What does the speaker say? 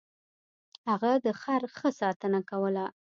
هغه د خر ښه ساتنه کوله.